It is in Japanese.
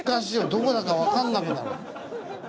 どこだか分かんなくなる。